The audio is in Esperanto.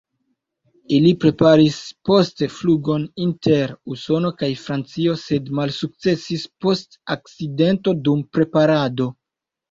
Ili preparis poste flugon inter Usono kaj Francio sed malsukcesis post akcidento dum preparado.